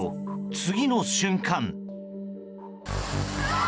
次の瞬間。